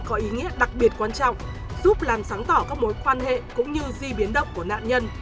có ý nghĩa đặc biệt quan trọng giúp làm sáng tỏ các mối quan hệ cũng như di biến động của nạn nhân